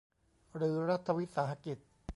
หรือรัฐวิสาหกิจ